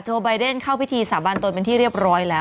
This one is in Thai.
ไยเดนเข้าพิธีสาบานตนเป็นที่เรียบร้อยแล้ว